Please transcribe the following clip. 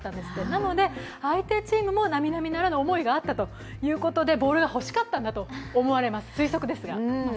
なので、相手チームもなみなみならぬ思いがあったということでボールが欲しかったんだと思われます、推測ですが。